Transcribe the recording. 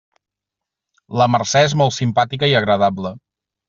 La Mercè és molt simpàtica i agradable.